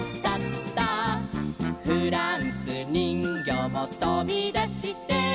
「フランスにんぎょうもとびだして」